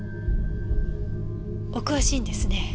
お詳しいんですね